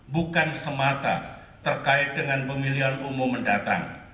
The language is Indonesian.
bukan semata terkait dengan pemilihan umum mendatang